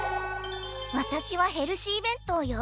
わたしはヘルシーべんとうよ。